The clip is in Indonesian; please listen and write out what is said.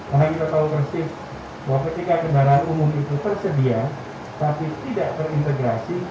karena kita tahu persis bahwa ketika kendaraan umum itu tersedia tapi tidak terintegrasi